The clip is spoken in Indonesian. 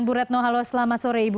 bu retno halo selamat sore ibu